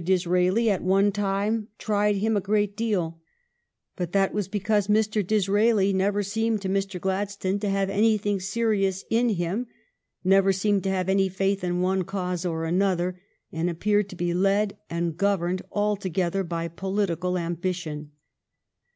Disraeli at one time tried him a great deal, but that was because Mr. Disraeli never seemed to Mr. Gladstone to have anything serious in him, never seemed to have any faith in one cause or another, and appeared to be led and governed altogether by political ambition.